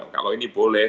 kalau ini boleh